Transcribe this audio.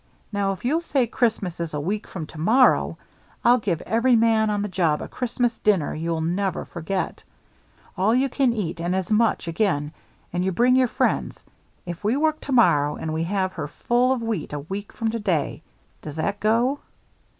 Now, if you'll say Christmas is a week from to morrow, I'll give every man on the job a Christmas dinner that you'll never forget; all you can eat and as much again, and you bring your friends, if we work to morrow and we have her full of wheat a week from to day. Does that go?"